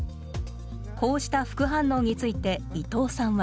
こうした副反応について伊藤さんは。